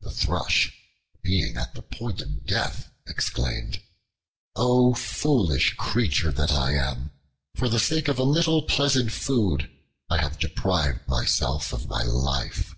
The Thrush, being at the point of death, exclaimed, "O foolish creature that I am! For the sake of a little pleasant food I have deprived myself of my life."